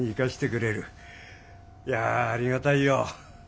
いやありがたいよ。